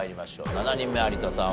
７人目有田さん